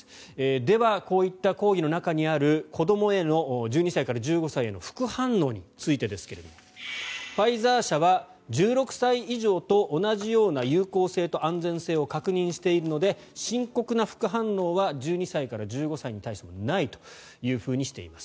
では、こういった抗議の中にある子どもへの１２歳から１５歳への副反応についてですがファイザー社は１６歳以上と同じような有効性と安全性を確認しているので深刻な副反応は１２歳から１５歳に対してはないとしています。